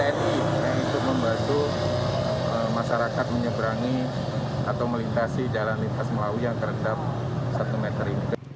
yang membantu masyarakat menyeberangi atau melintasi jalan lintas melawi yang terhentam satu meter